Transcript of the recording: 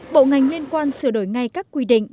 bộ ngành liên quan sửa đổi ngay các quy định